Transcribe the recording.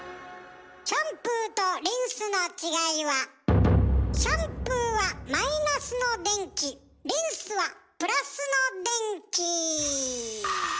シャンプーとリンスの違いはシャンプーはマイナスの電気リンスはプラスの電気。